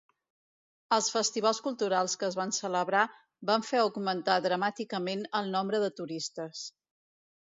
Els festivals culturals que es van celebrar van fer augmentar dramàticament el nombre de turistes.